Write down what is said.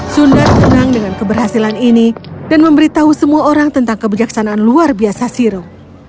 sundar senang dengan keberhasilan ini dan memberitahu semua orang tentang kebijaksanaan luar biasa siru